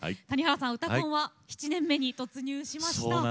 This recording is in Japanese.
谷原さん、「うたコン」は７年目に突入しました。